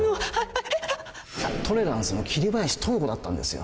トレランスの桐林藤吾だったんですよ